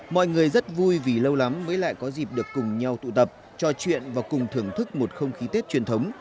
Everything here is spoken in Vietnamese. mọi người rất vui vì lâu lắm mới lại có dịp được cùng nhau tụ tập trò chuyện và cùng thưởng thức một không khí tết truyền thống